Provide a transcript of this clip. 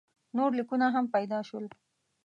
نور لیکونه هم پیدا شول.